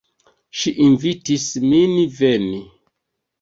Ŝi invitis min veni.